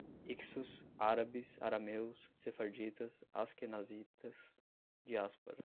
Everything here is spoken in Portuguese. Hicsos, árabes, arameus, sefarditas, asquenazitas, diáspora